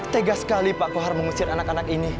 tegas sekali pak kohar mengusir anak anak ini